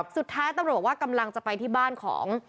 สุดท้ายตำรวจว่ากำลังจะไปที่บ้านของ